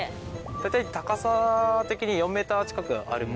大体高さ的に４ｍ近くある。